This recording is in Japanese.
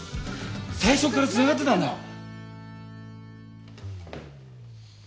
最初から繋がってたんだ！